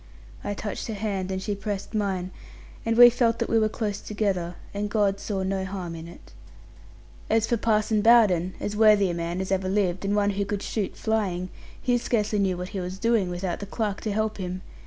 I touched her hand, and she pressed mine; and we felt that we were close together, and God saw no harm in it. As for Parson Bowden (as worthy a man as ever lived, and one who could shoot flying), he scarcely knew what he was doing, without the clerk to help him.